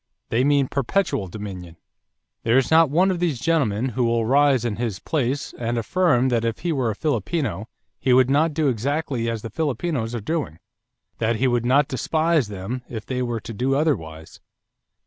They mean perpetual dominion.... There is not one of these gentlemen who will rise in his place and affirm that if he were a Filipino he would not do exactly as the Filipinos are doing; that he would not despise them if they were to do otherwise.